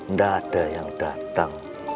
nggak ada yang datang